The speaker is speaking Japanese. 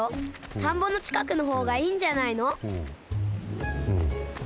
たんぼのちかくのほうがいいんじゃないの？